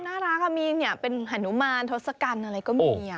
มันน่ารักเอามีเนี่ยเป็นหนุมัลโทสกันอะไรก็มี